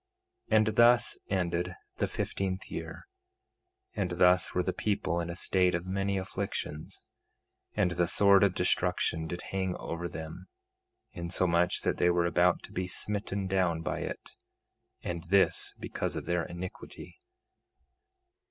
2:19 And thus ended the fifteenth year, and thus were the people in a state of many afflictions; and the sword of destruction did hang over them, insomuch that they were about to be smitten down by it, and this because of their iniquity.